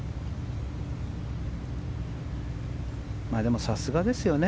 でもさすがですよね。